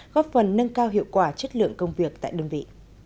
góp phần nâng cao hiệu quả chất lượng công việc tại đơn vị